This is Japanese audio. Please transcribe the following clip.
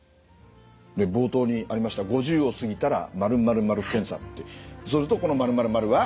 冒頭にありました「５０を過ぎたら○○○検査」ってそうするとこの○○○は？